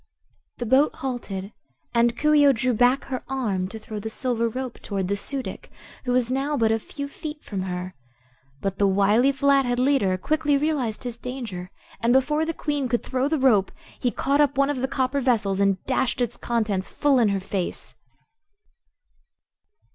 The boat halted and Coo ee oh drew back her arm to throw the silver rope toward the Su dic, who was now but a few feet from her. But the wily Flathead leader quickly realized his danger and before the Queen could throw the rope he caught up one of the copper vessels and dashed its contents full in her face!